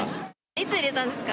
いつ入れたんですか？